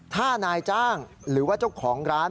ถ้านายจ้างหรือว่าเจ้าของร้าน